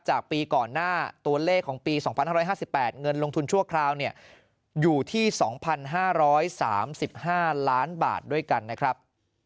ปีก่อนหน้าตัวเลขของปี๒๕๕๘เงินลงทุนชั่วคราวอยู่ที่๒๕๓๕ล้านบาทด้วยกันนะครับ